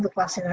dan yang ini